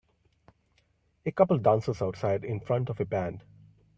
A couple dances outside in front of a band.